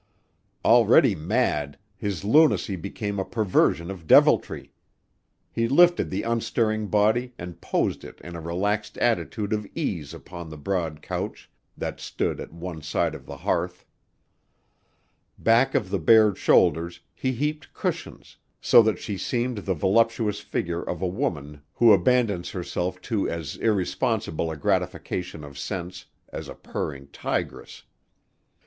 Already mad, his lunacy became a perversion of deviltry. He lifted the unstirring body and posed it in a relaxed attitude of ease upon the broad couch that stood at one side of the hearth. Back of the bared shoulders, he heaped cushions, so that she seemed the voluptuous figure of a woman who abandons herself to as irresponsible a gratification of sense as a purring tigress.